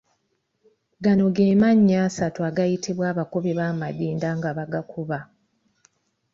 Gano ge mannya asatu agayitibwa abakubi b’amadinda nga bagakuba.